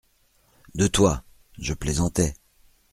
De toi… je plaisantais.